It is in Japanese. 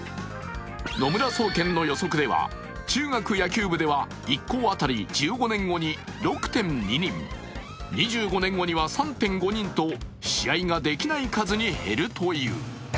野村総研の予測では中学野球部では１校当たり１５年後に６．２人２５年後には３．５人と試合ができない数に減るという。